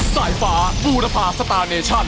สายฟ้าบูรพาสตาร์เนชั่น